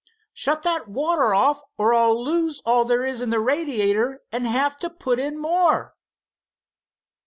"Shut that water off, or I'll lose all there is in the radiator, and have to put in more."